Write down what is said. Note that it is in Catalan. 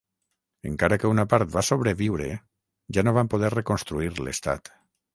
Encara que una part va sobreviure, ja no van poder reconstruir l'estat.